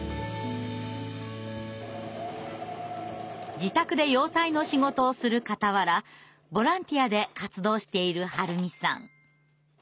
自宅で洋裁の仕事をするかたわらボランティアで活動している春美さん。